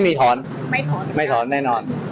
ไม่ถอนไม่ถอนแน่นอน